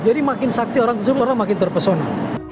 jadi makin sakti orang tersebut makin terpesona